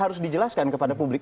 harus dijelaskan kepada publik